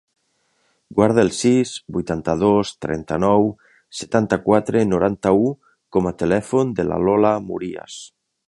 Guarda el sis, vuitanta-dos, trenta-nou, setanta-quatre, noranta-u com a telèfon de la Lola Murias.